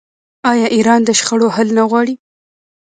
آیا ایران د شخړو حل نه غواړي؟